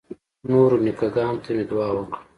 نورو نیکه ګانو ته مې دعا وکړه.